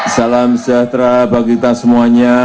salam sejahtera bagi kita semuanya